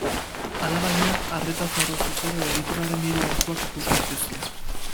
Alabaina, arreta zorroztuz gero, egituraren hiru arkuak ikus daitezke.